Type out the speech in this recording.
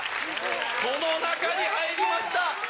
この中に入りました。